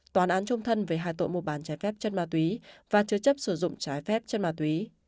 tòa án trung thân về hai tội mua bán trái phép chất ma túy và chứa chấp sử dụng trái phép chất ma túy